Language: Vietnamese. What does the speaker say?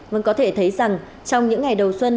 vâng có thể thấy rằng trong những ngày đầu xuân